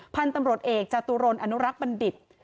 พันธุ์ตำรวจเอกจตุรนอนุรักษ์บัณฑิต